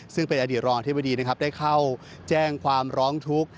ซึ่งเป็นอดีตรองอธิบดีนะครับได้เข้าแจ้งความร้องทุกข์